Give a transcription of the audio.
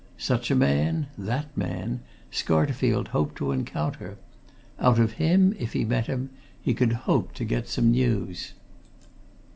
Such a man that man Scarterfield hoped to encounter. Out of him, if he met him, he could hope to get some news.